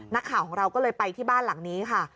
นักข่าวของเราก็เลยไปที่บ้านหลังนี้ค่ะ